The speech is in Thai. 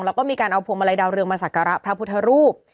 แล้วก็มีการเอาโผล่มาลัยดาวเรืองมาสรรคาราชาลีพระพุทธรูป